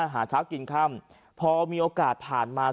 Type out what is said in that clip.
หาเช้ากินค่ำพอมีโอกาสผ่านมา